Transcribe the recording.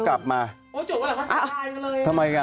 ทำไม